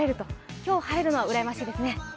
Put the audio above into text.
今日晴れるのはうらやましいですね。